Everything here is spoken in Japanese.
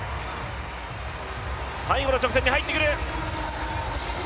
最後の直線に入ってくる。